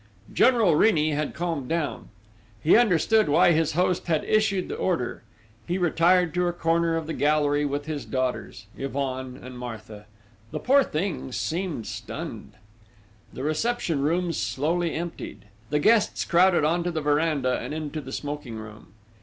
General Rini had calmed down. He understood why his host had issued the order. He retired to a corner of the gallery with his daughters, Yvonne and Marthe: the poor things seemed stunned. The reception rooms slowly emptied: the guests crowded on to the verandah and into the smoking room.